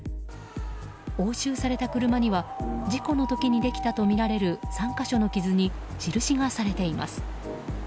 押収された車には事故の時にできたとみられる３か所の傷に、印がされています。